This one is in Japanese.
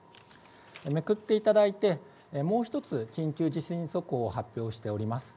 めくっていただいてもう１つ地震速報を発表しております。